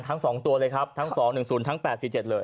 ทั้ง๒ตัวเลยครับทั้ง๒๑๐ทั้ง๘๔๗เลย